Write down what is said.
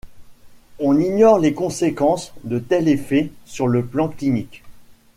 On ignore les conséquences de tels effets sur le plan clinique.